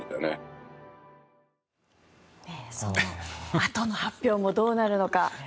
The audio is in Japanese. あとの発表もどうなるのか。